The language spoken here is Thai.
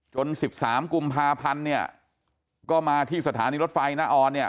จนสิบสามกุมภาพันธุ์เนี่ยก็มาที่สถานีรถไฟน้าอเนี่ย